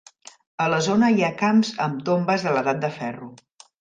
A la zona hi ha camps amb tombes de l'edat del ferro.